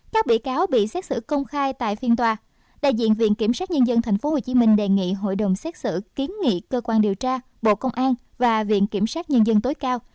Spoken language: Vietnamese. các bị cáo bị xét xử công khai tại phiên tòa đại diện viện kiểm sát nhân dân tp hcm đề nghị hội đồng xét xử kiến nghị cơ quan điều tra bộ công an và viện kiểm sát nhân dân tối cao